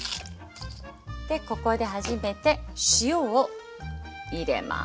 でここで初めて塩を入れます。